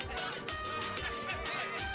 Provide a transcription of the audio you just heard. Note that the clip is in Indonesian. kau yang ngapain